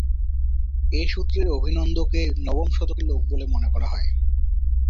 এ সূত্রে অভিনন্দকে নবম শতকের লোক বলে মনে করা হয়।